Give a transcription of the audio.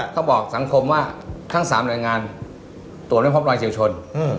เขาบอกสังคมว่าทั้ง๓หน่วยงานตรวจไม่พบรอยเฉียวชน